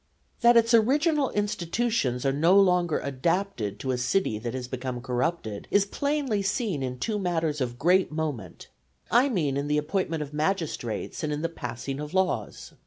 That its original institutions are no longer adapted to a city that has become corrupted, is plainly seen in two matters of great moment, I mean in the appointment of magistrates and in the passing of laws.